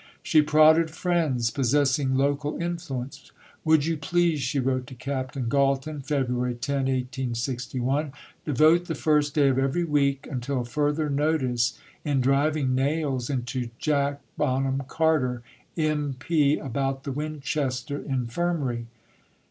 She prodded friends possessing local influence: "Would you please," she wrote to Captain Galton (Feb. 10, 1861), "devote the first day of every week until further notice in driving nails into Jack Bonham Carter, M.P., about the Winchester Infirmary?"